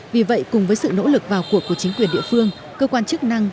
vì vậy cùng với sự nỗ lực vào cuộc của chính quyền địa phương cơ quan chức năng